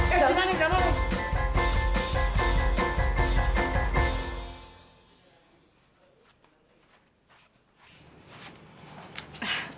eh jangan nih jangan dong